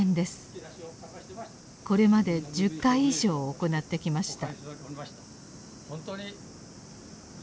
これまで１０回以上行ってきました。